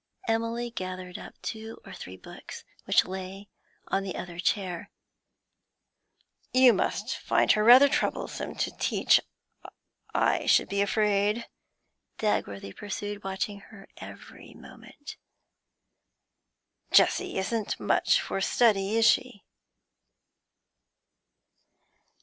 Emily gathered up two or three books which lay on the other chair. 'You find her rather troublesome to teach, I should be afraid,' Dagworthy pursued, watching her every moment. 'Jessie isn't much for study, is she?'